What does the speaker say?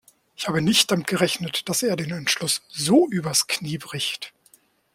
Ich habe nicht damit gerechnet, dass er den Entschluss so übers Knie bricht.